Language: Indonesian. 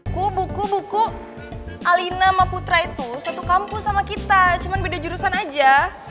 buku buku buku alina sama putra itu satu kampus sama kita cuman beda jurusan aja